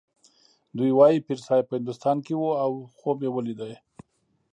دوی وايي پیرصاحب په هندوستان کې و او خوب یې ولید.